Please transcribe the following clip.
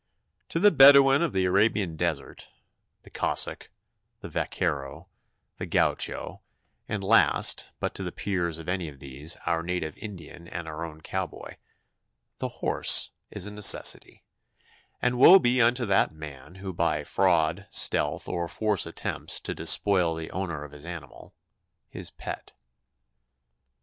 To the Bedouin of the Arabian Desert, the Cossack, the Vacquero, the Gaucho, and last, but the peers of any of these, our native Indian and our own cowboy, the horse is a necessity; and woe be unto that man who by fraud, stealth, or force attempts to despoil the owner of his animal, his pet.